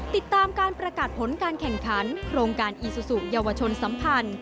ติดตามการประกาศผลการแข่งขันโครงการอีซูซูเยาวชนสัมพันธ์